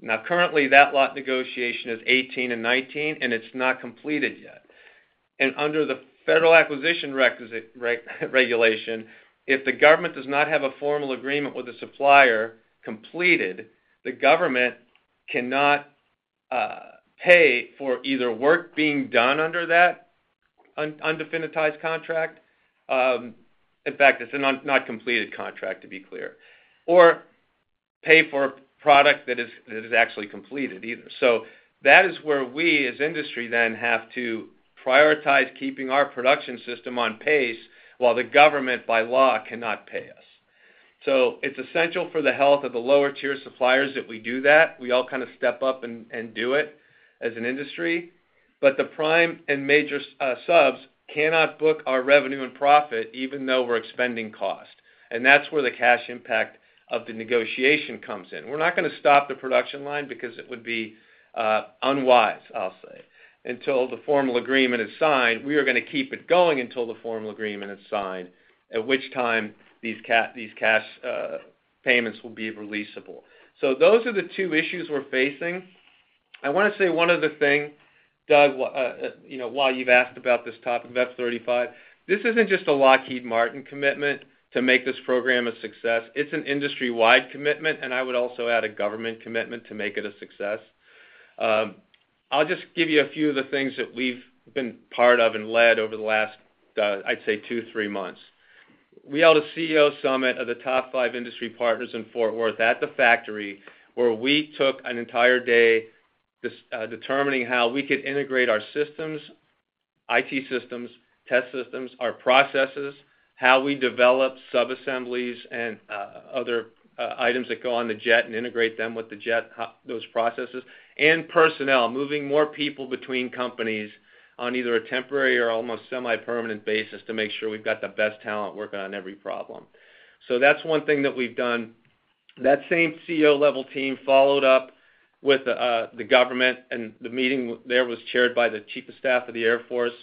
Now, currently, that lot negotiation is 18 and 19, and it's not completed yet. Under the Federal Acquisition Regulation, if the government does not have a formal agreement with the supplier completed, the government cannot pay for either work being done under that undefinitized contract. In fact, it's not a completed contract, to be clear, or pay for a product that is actually completed either. That is where we, as industry then, have to prioritize keeping our production system on pace while the government, by law, cannot pay us. It's essential for the health of the lower-tier suppliers that we do that. We all kind of step up and do it as an industry. But the prime and major subs cannot book our revenue and profit, even though we're expending cost, and that's where the cash impact of the negotiation comes in. We're not gonna stop the production line because it would be unwise, I'll say. Until the formal agreement is signed, we are gonna keep it going until the formal agreement is signed, at which time these cash payments will be releasable. So those are the two issues we're facing. I want to say one other thing, Doug, you know, while you've asked about this topic of F-35, this isn't just a Lockheed Martin commitment to make this program a success, it's an industry-wide commitment, and I would also add a government commitment to make it a success. I'll just give you a few of the things that we've been part of and led over the last, I'd say 2-3 months. We held a CEO summit of the top five industry partners in Fort Worth at the factory, where we took an entire day determining how we could integrate our systems, IT systems, test systems, our processes, how we develop subassemblies, and other items that go on the jet and integrate them with the jet, how those processes, and personnel, moving more people between companies on either a temporary or almost semi-permanent basis to make sure we've got the best talent working on every problem. So that's one thing that we've done. That same CEO-level team followed up with the government, and the meeting there was chaired by the Chief of Staff of the Air Force.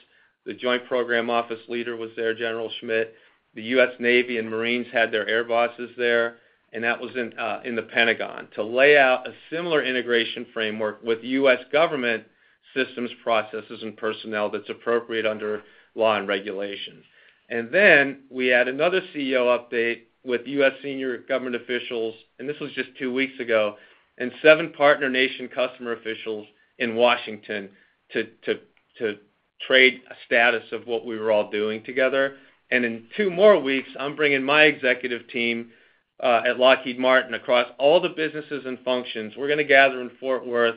The Joint Program Office leader was there, General Schmidt. The U.S. Navy and Marines had their air bosses there, and that was in the Pentagon, to lay out a similar integration framework with U.S. government systems, processes, and personnel that's appropriate under law and regulation. And then we had another CEO update with U.S. senior government officials, and this was just two weeks ago, and seven partner nation customer officials in Washington to trade a status of what we were all doing together. And in two more weeks, I'm bringing my executive team at Lockheed Martin, across all the businesses and functions. We're gonna gather in Fort Worth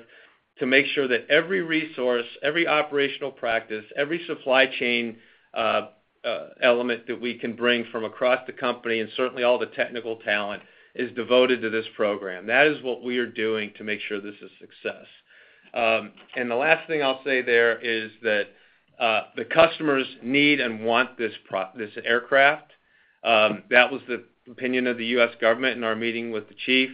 to make sure that every resource, every operational practice, every supply chain element that we can bring from across the company, and certainly all the technical talent, is devoted to this program. That is what we are doing to make sure this is a success. And the last thing I'll say there is that, the customers need and want this this aircraft. That was the opinion of the U.S. government in our meeting with the Chief.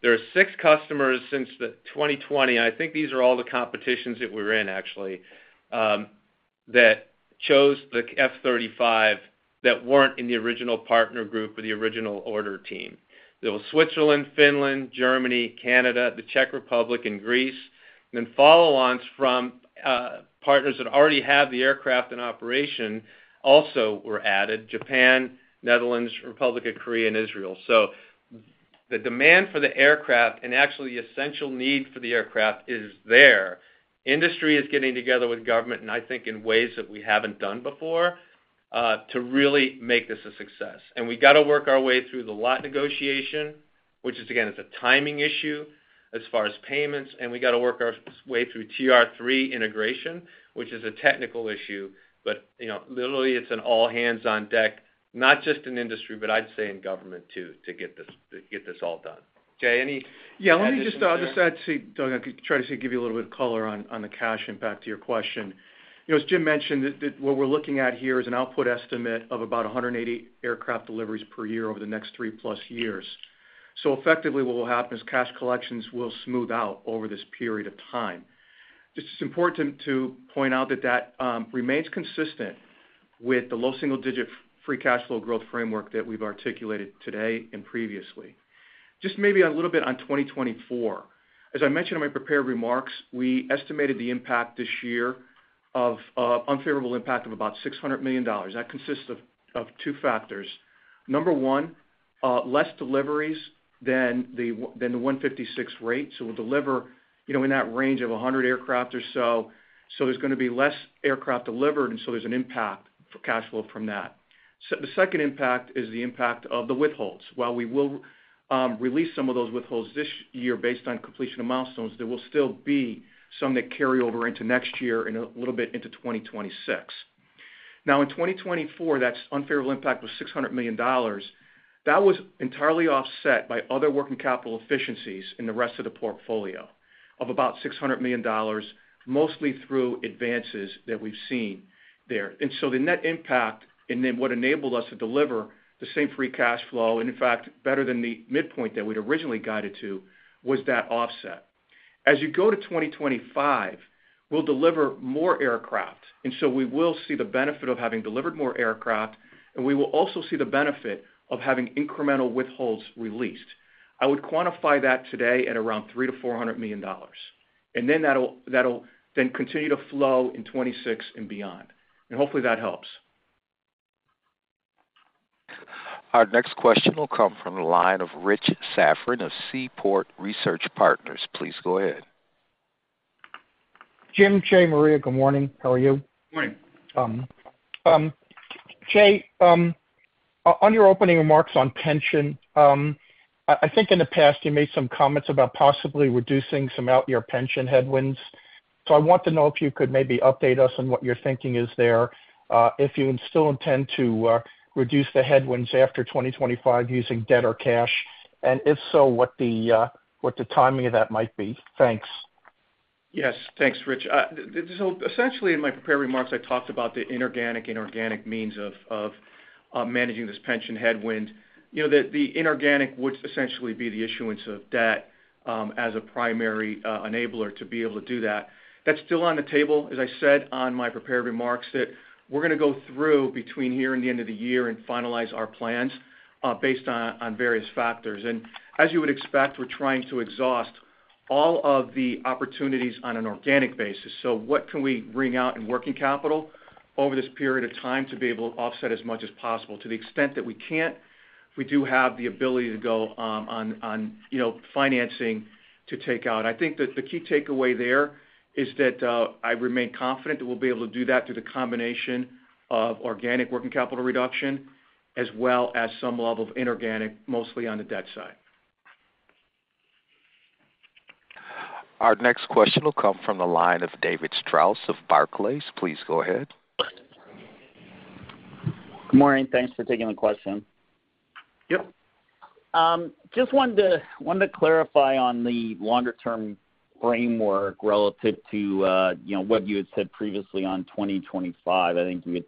There are six customers since 2020, and I think these are all the competitions that we're in, actually, that chose the F-35 that weren't in the original partner group or the original order team. There was Switzerland, Finland, Germany, Canada, the Czech Republic, and Greece, and then follow-ons from, partners that already have the aircraft in operation also were added, Japan, Netherlands, Republic of Korea, and Israel. So the demand for the aircraft, and actually the essential need for the aircraft, is there. Industry is getting together with government, and I think in ways that we haven't done before, to really make this a success. And we got to work our way through the lot negotiation, which is, again, it's a timing issue as far as payments, and we got to work our way through TR-3 integration, which is a technical issue. But, you know, literally, it's an all-hands-on-deck, not just in industry, but I'd say in government, too, to get this, to get this all done. Jay, any additions there? Yeah, let me just add to, try to give you a little bit of color on, on the cash impact to your question. You know, as Jim mentioned, that what we're looking at here is an output estimate of about one hundred and eighty aircraft deliveries per year over the next 3+ years. So effectively, what will happen is cash collections will smooth out over this period of time. It's important to point out that that remains consistent with the low single-digit free cash flow growth framework that we've articulated today and previously. Just maybe a little bit on 2024. As I mentioned in my prepared remarks, we estimated the impact this year of unfavorable impact of about $600 million. That consists of two factors. Number one, less deliveries than the 156 rate, so we'll deliver, you know, in that range of 100 aircraft or so. So there's going to be less aircraft delivered, and so there's an impact for cash flow from that. The second impact is the impact of the withholds. While we will release some of those withholds this year based on completion of milestones, there will still be some that carry over into next year and a little bit into 2026. Now, in 2024, that unfavorable impact was $600 million. That was entirely offset by other working capital efficiencies in the rest of the portfolio of about $600 million, mostly through advances that we've seen there. And so the net impact, and then what enabled us to deliver the same free cash flow, and in fact, better than the midpoint that we'd originally guided to, was that offset. As you go to 2025, we'll deliver more aircraft, and so we will see the benefit of having delivered more aircraft, and we will also see the benefit of having incremental withholds released. I would quantify that today at around $300 million-$400 million, and then that'll, that'll then continue to flow in 2026 and beyond. And hopefully, that helps. Our next question will come from the line of Rich Safran of Seaport Research Partners. Please go ahead. Jim, Jay, Maria, good morning. How are you? Good morning. Jay, on your opening remarks on pension, I think in the past, you made some comments about possibly reducing some of your pension headwinds. So I want to know if you could maybe update us on what your thinking is there, if you still intend to reduce the headwinds after 2025 using debt or cash, and if so, what the timing of that might be? Thanks. Yes. Thanks, Rich. So essentially, in my prepared remarks, I talked about the inorganic and organic means of managing this pension headwind. You know, the inorganic would essentially be the issuance of debt as a primary enabler to be able to do that. That's still on the table, as I said on my prepared remarks, that we're going to go through between here and the end of the year and finalize our plans based on various factors. And as you would expect, we're trying to exhaust all of the opportunities on an organic basis. So what can we wring out in working capital over this period of time to be able to offset as much as possible? To the extent that we can't, we do have the ability to go on, you know, financing to take out. I think that the key takeaway there is that I remain confident that we'll be able to do that through the combination of organic working capital reduction, as well as some level of inorganic, mostly on the debt side. Our next question will come from the line of David Strauss of Barclays. Please go ahead. Good morning. Thanks for taking the question. Yep. Just wanted to clarify on the longer-term framework relative to, you know, what you had said previously on 2025. I think you had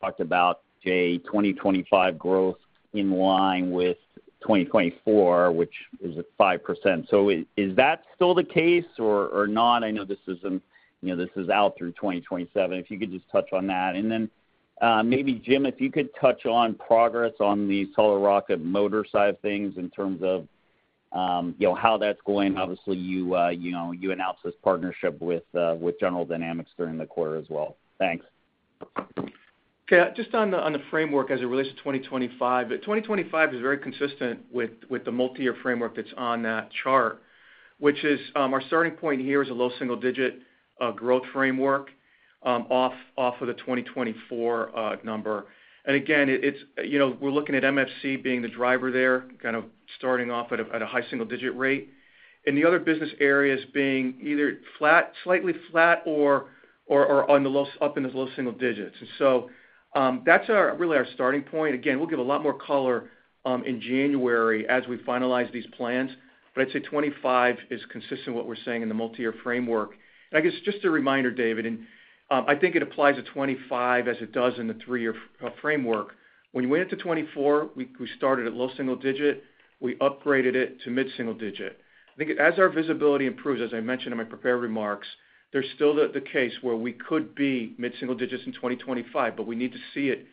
talked about a 2025 growth in line with 2024, which is at 5%. So is that still the case or not? I know this isn't you know, this is out through 2027. If you could just touch on that. And then, maybe Jim, if you could touch on progress on the solid rocket motor side of things in terms of, you know, how that's going. Obviously, you know, you announced this partnership with General Dynamics during the quarter as well. Thanks. Yeah, just on the framework as it relates to 2025. 2025 is very consistent with the multi-year framework that's on that chart, which is our starting point here is a low single digit growth framework off of the 2024 number. And again, it's, you know, we're looking at MFC being the driver there, kind of starting off at a high single digit rate, and the other business areas being either flat, slightly flat or up in the low single digits. And so that's really our starting point. Again, we'll give a lot more color in January as we finalize these plans, but I'd say 2025 is consistent with what we're saying in the multi-year framework. I guess, just a reminder, David, and I think it applies to 2025 as it does in the three-year framework. When we went into 2024, we started at low single digit, we upgraded it to mid-single digit. I think as our visibility improves, as I mentioned in my prepared remarks, there's still the case where we could be mid-single digits in 2025, but we need to see it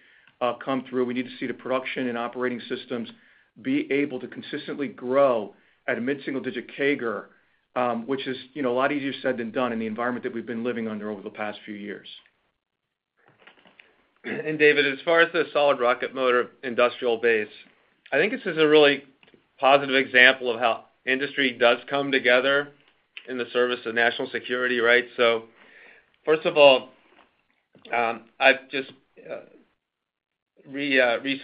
come through. We need to see the production and operating systems be able to consistently grow at a mid-single-digit CAGR, which is, you know, a lot easier said than done in the environment that we've been living under over the past few years. And David, as far as the solid rocket motor industrial base, I think this is a really positive example of how industry does come together in the service of national security, right? So first of all, I've just recirculated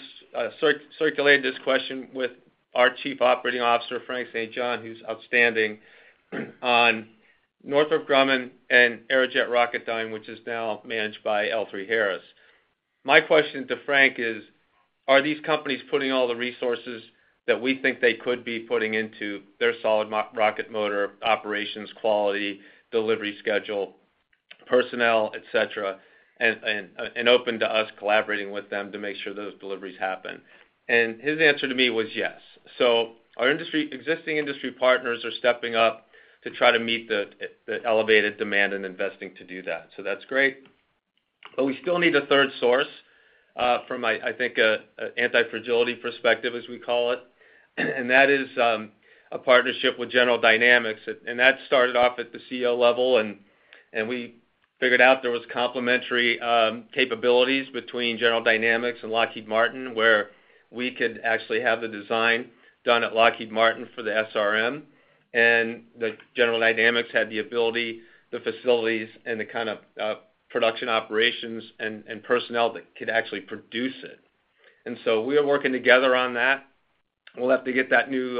this question with our Chief Operating Officer, Frank St. John, who's outstanding, on Northrop Grumman and Aerojet Rocketdyne, which is now managed by L3Harris. My question to Frank is: Are these companies putting all the resources that we think they could be putting into their solid rocket motor operations, quality, delivery, schedule, personnel, et cetera, and open to us collaborating with them to make sure those deliveries happen? And his answer to me was yes. So our existing industry partners are stepping up to try to meet the elevated demand and investing to do that. That's great, but we still need a third source from an antifragility perspective, as we call it, and that is a partnership with General Dynamics. And that started off at the C-level, and we figured out there was complementary capabilities between General Dynamics and Lockheed Martin, where we could actually have the design done at Lockheed Martin for the SRM, and that General Dynamics had the ability, the facilities, and the kind of production operations and personnel that could actually produce it. And so we are working together on that. We'll have to get that new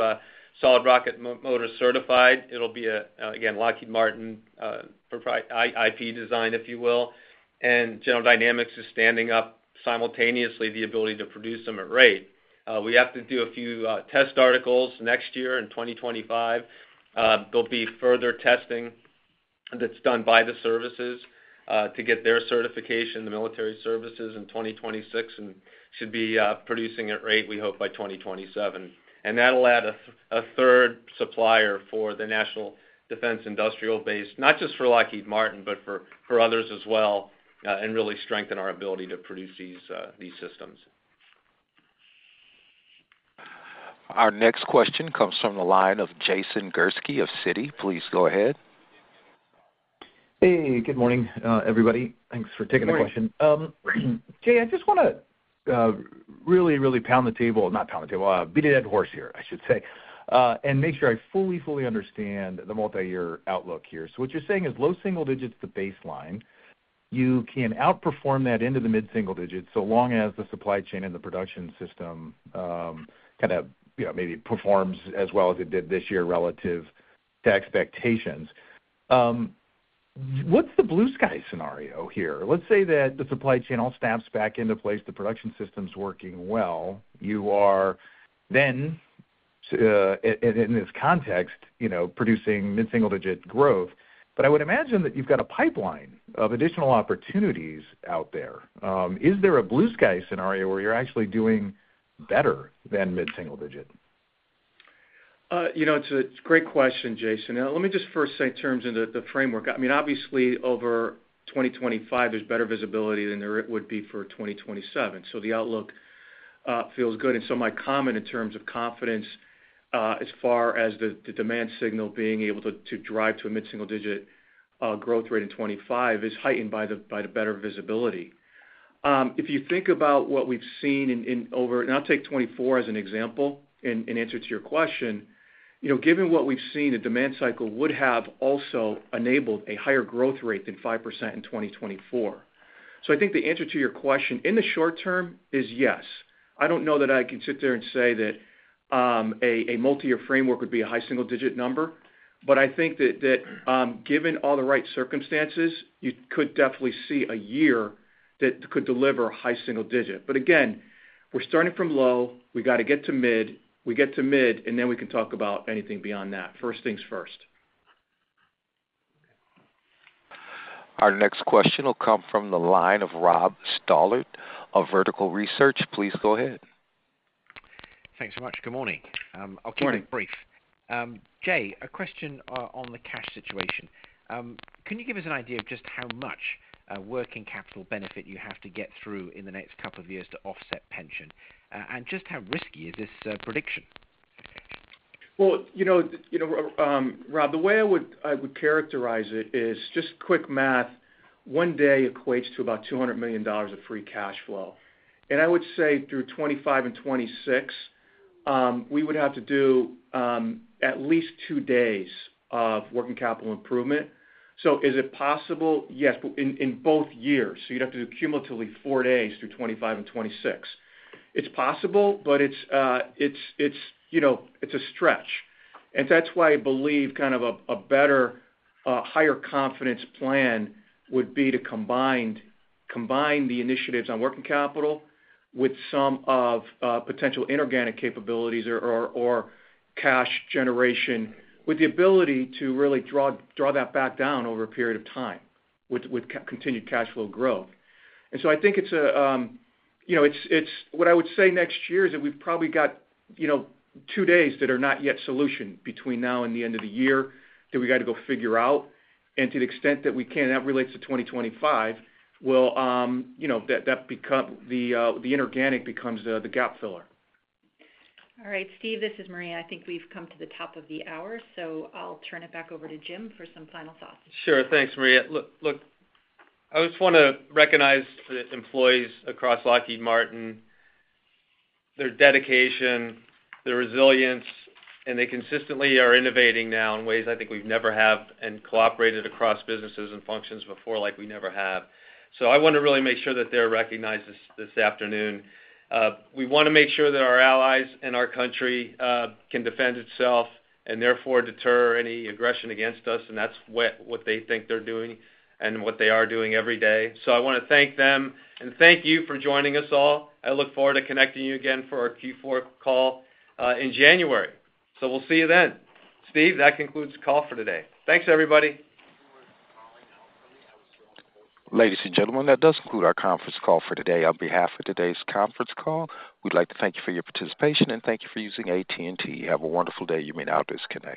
solid rocket motor certified. It'll be again Lockheed Martin IP design, if you will, and General Dynamics is standing up simultaneously the ability to produce them at rate. We have to do a few test articles next year in 2025. There'll be further testing that's done by the services to get their certification, the military services, in 2026, and should be producing at rate, we hope, by 2027, and that'll add a third supplier for the National Defense Industrial Base, not just for Lockheed Martin, but for others as well, and really strengthen our ability to produce these systems. Our next question comes from the line of Jason Gursky of Citi. Please go ahead. Hey, good morning, everybody. Thanks for taking the question. Good morning. Jay, I just wanna really pound the table. Not pound the table, beat a dead horse here, I should say, and make sure I fully, fully understand the multi-year outlook here. So what you're saying is low single digit's the baseline. You can outperform that into the mid single digits, so long as the supply chain and the production system kind of, you know, maybe performs as well as it did this year relative to expectations. What's the blue sky scenario here? Let's say that the supply chain all snaps back into place, the production system's working well. You are then in this context, you know, producing mid-single-digit growth. But I would imagine that you've got a pipeline of additional opportunities out there. Is there a blue sky scenario where you're actually doing better than mid-single digit? You know, it's a great question, Jason. Let me just first say terms in the framework. I mean, obviously, over 2025, there's better visibility than there would be for 2027, so the outlook feels good. And so my comment in terms of confidence, as far as the demand signal being able to drive to a mid-single digit growth rate in 2025, is heightened by the better visibility. If you think about what we've seen in 2024 as an example, in answer to your question. You know, given what we've seen, the demand cycle would have also enabled a higher growth rate than 5% in 2024. So I think the answer to your question in the short term is yes. I don't know that I can sit there and say that a multi-year framework would be a high single digit number, but I think that given all the right circumstances, you could definitely see a year that could deliver high single digit. But again, we're starting from low, we gotta get to mid. We get to mid, and then we can talk about anything beyond that. First things first. Our next question will come from the line of Rob Stallard of Vertical Research. Please go ahead. Thanks so much. Good morning. I'll keep it brief. Jay, a question on the cash situation. Can you give us an idea of just how much working capital benefit you have to get through in the next couple of years to offset pension? And just how risky is this prediction? You know, Rob, the way I would characterize it is, just quick math, one day equates to about $200 million of free cash flow. And I would say through 2025 and 2026, we would have to do at least two days of working capital improvement. So is it possible? Yes, but in both years, so you'd have to do cumulatively four days through 2025 and 2026. It's possible, but it's a stretch. And so that's why I believe kind of a better higher confidence plan would be to combine the initiatives on working capital with some of potential inorganic capabilities or cash generation, with the ability to really draw that back down over a period of time with continued cash flow growth. And so I think it's a, you know, it's what I would say next year is that we've probably got, you know, two days that are not yet solutioned between now and the end of the year, that we gotta go figure out. And to the extent that we can, that relates to 2025, you know, the inorganic becomes the gap filler. All right, Steve, this is Maria. I think we've come to the top of the hour, so I'll turn it back over to Jim for some final thoughts. Sure. Thanks, Maria. Look, I just wanna recognize the employees across Lockheed Martin, their dedication, their resilience, and they consistently are innovating now in ways I think we've never have, and cooperated across businesses and functions before, like we never have. I wanna really make sure that they're recognized this afternoon. We wanna make sure that our allies and our country can defend itself, and therefore, deter any aggression against us, and that's what they think they're doing and what they are doing every day. I wanna thank them, and thank you for joining us all. I look forward to connecting you again for our Q4 call in January. We'll see you then. Steve, that concludes the call for today. Thanks, everybody. Ladies and gentlemen, that does conclude our conference call for today. On behalf of today's conference call, we'd like to thank you for your participation and thank you for using AT&T. Have a wonderful day. You may now disconnect.